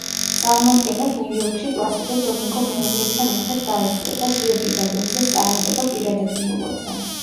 წარმოდგენას ნიუ-იორკში პლასიდო დომინგო მეუღლესთან ერთად დაესწრო და გიორგი გაგნიძეს წარმატება პირადად მიულოცა.